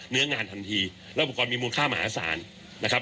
เนื้องานทันทีแล้วอุปกรณ์มีมูลค่ามหาศาลนะครับ